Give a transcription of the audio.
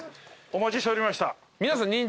お待ちしておりました。